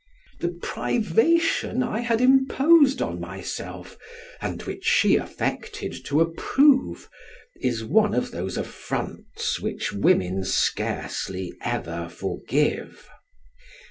The privation I had imposed on myself, and which she affected to approve, is one of those affronts which women scarcely ever forgive.